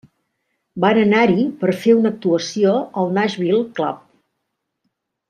Van anar-hi per fer una actuació al Nashville Club.